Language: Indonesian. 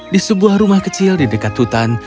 di sebuah rumah kecil di dekat hutan